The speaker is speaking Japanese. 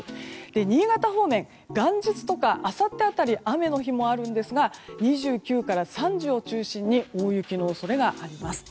新潟方面、元日とかあさって辺り雨の日もあるんですが２９から３０を中心に大雪の恐れがあります。